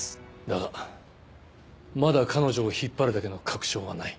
だがまだ彼女を引っ張るだけの確証はない。